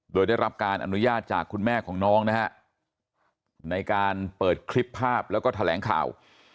โดยได้รับการอนุญาตจากคุณแม่ของน้องนะฮะในการเปิดคลิปภาพแล้วก็แถลงข่าว